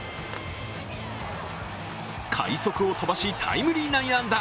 快足を飛ばし、タイムリー内野安打